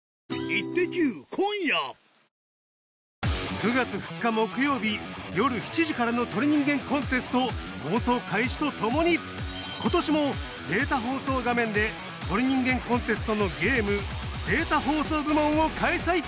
９月２日木曜日よる７時からの『鳥人間コンテスト』放送開始とともに今年もデータ放送画面で『鳥人間コンテスト』のゲーム・データ放送部門を開催。